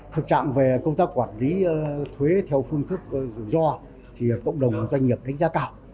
thực trạng về công tác quản lý thuế theo phương thức rủi ro thì cộng đồng doanh nghiệp đánh giá cao